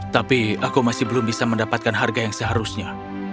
tapi aku masih belum bisa mendapatkan harga yang seharusnya